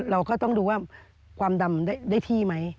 เราก็ต้องดูว่าความดำได้ที่ไหม